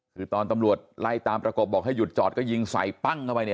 คือตอนตำรวจไล่ตามประกบบอกให้หยุดจอดก็ยิงใส่ปั้งเข้าไปเนี่ย